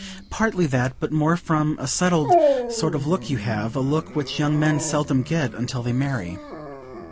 "Partly that, but more from a settled sort of look you have; a look which young men seldom get until they marry."